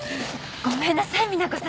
ごめんなさい美奈子さん。